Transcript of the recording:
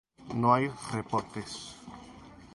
No hay reportes.